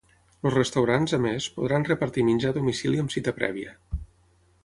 Els restaurants, a més, podran repartir menjar a domicili amb cita prèvia.